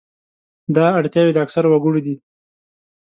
دا اړتیاوې د اکثرو وګړو دي.